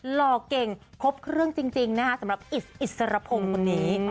หล่อเก่งครบเครื่องจริงนะคะสำหรับอิสอิสรพงศ์คนนี้